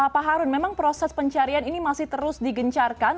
pak harun memang proses pencarian ini masih terus digencarkan